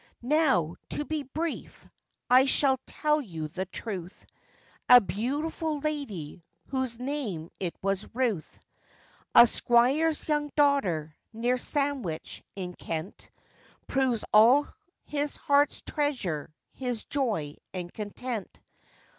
Now, to be brief, I shall tell you the truth: A beautiful lady, whose name it was Ruth, A squire's young daughter, near Sandwich, in Kent, Proves all his heart's treasure, his joy and content.